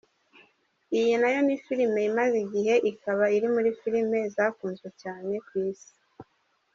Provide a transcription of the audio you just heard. Iyi nayo ni filime imaze igihe, ikaba iri muri filime zakunzwe cyane ku isi.